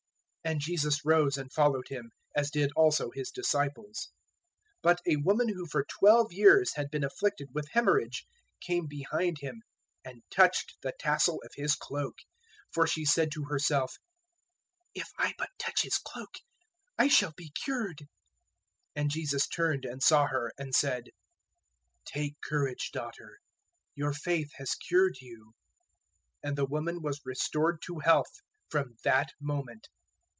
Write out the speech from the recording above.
009:019 And Jesus rose and followed him, as did also His disciples. 009:020 But a woman who for twelve years had been afflicted with haemorrhage came behind Him and touched the tassel of His cloak; 009:021 for she said to herself, "If I but touch His cloak, I shall be cured." 009:022 And Jesus turned and saw her, and said, "Take courage, daughter; your faith has cured you." And the woman was restored to health from that moment.